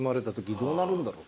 どうなるんだろう。